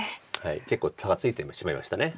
結構差がついてしまいました。